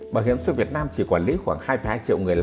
bảo hiểm xã hội